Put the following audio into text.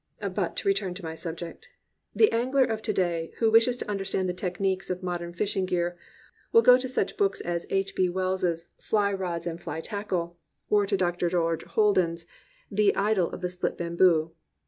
But to return to my subject. The angler of to day who wishes to understand the technics of mod ern fishing gear will go to such books as H. B. Wells' 298 A QUAINT COMRADE Fly Rods and Fly Tackle, or to Dr. George Holden's The Idyl of the Split Bamboo.